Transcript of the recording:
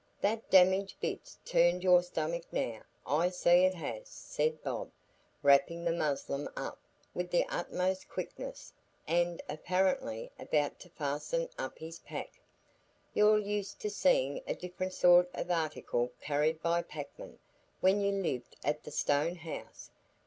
That damaged bit's turned your stomach now; I see it has," said Bob, wrapping the muslin up with the utmost quickness, and apparently about to fasten up his pack. "You're used to seein' a different sort o' article carried by packmen, when you lived at the stone house.